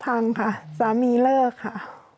พังค่ะสามีเลิกค่ะ